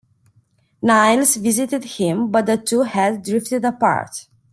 Niles visited him, but the two had drifted apart.